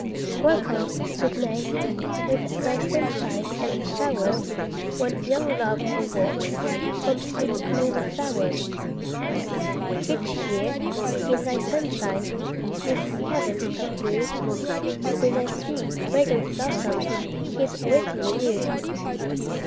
Welcome, sweet May! With thy sunshine and showers, When young love awoke From sleep 'mong the flowers. Each year, in thy sunshine, 'neath heavens of blue, With thy sweet, fragrant blossoms he's wakened anew.